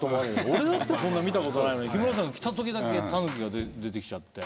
俺もそんな見たことないのに日村さんが来たときだけたぬきが出てきちゃって。